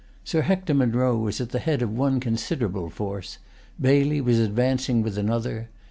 Sir Hector Munro was at the head of one considerable force; Baillie was advancing with another.